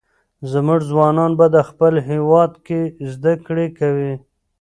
زموږ ځوانان به په خپل هېواد کې زده کړې کوي.